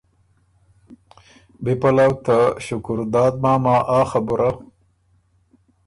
بی پلؤ افا ته شکرداد ماما ا خبُره